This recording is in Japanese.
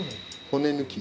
骨抜き。